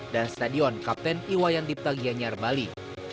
dan stadion kapten iwayan dipta giyanyar bali